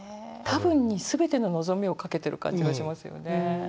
「たぶん」に全ての望みをかけてる感じがしますよね。